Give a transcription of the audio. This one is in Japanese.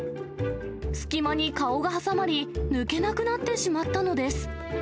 隙間に顔が挟まり、抜けなくなってしまったのです。